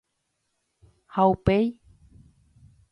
Ha upéi?